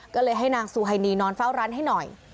ก็เลยให้นางซูไฮนีนอนเฝ้าร้านให้หน่อย